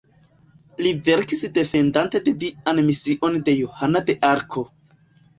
Li verkis defendante la dian mision de Johana de Arko.